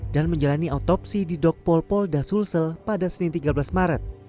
dan menjalani otopsi di dokpol pol dasulsel pada senin tiga belas maret